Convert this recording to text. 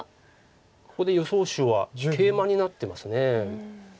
ここで予想手はケイマになってます。